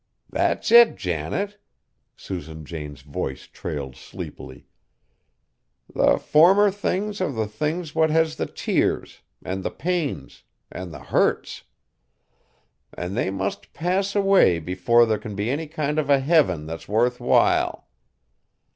'" "That's it, Janet," Susan Jane's voice trailed sleepily; "the former things are the things what has the tears, an' the pains, an' the hurts; an' they must pass away before there can be any kind of a heaven that's worth while.